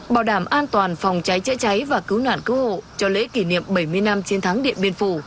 bảo đảm an toàn phòng cháy chữa cháy và cứu nạn cứu hộ cho lễ kỷ niệm bảy mươi năm chiến thắng điện biên phủ